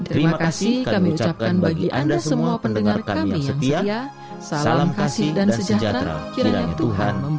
terima kasih kami ucapkan bagi anda semua pendengar kami yang setia